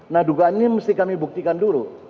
nah dugaan ini mesti kami buktikan dulu